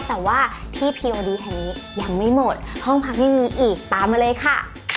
แต่ว่าที่พีวดีแห่งนี้ยังไม่หมดห้องพักยังมีอีกตามมาเลยค่ะ